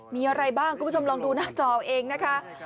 มีอะไรบ้างคุณผู้ชมลองดูหน้าจอเองนะคะ